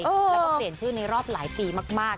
แล้วก็เปลี่ยนชื่อในรอบหลายปีมาก